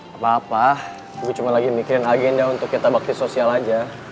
gapapa gue cuma lagi mikirin agenda untuk kita bakti sosial aja